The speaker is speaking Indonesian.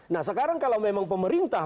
nah sekarang kalau memang pemerintah